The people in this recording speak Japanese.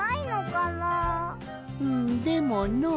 うんでものう。